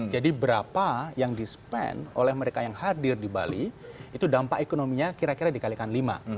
jadi berapa yang di spend oleh mereka yang hadir di bali itu dampak ekonominya kira kira dikalikan lima